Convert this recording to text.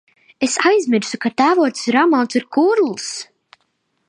Es aizmirsu, ka tēvocis Ramons ir kurls!